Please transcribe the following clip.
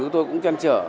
chúng tôi cũng chăn trở